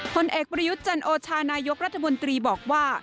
ผลเอกประยุทธ์จันโอชานายกรัฐมนตรีบอกว่า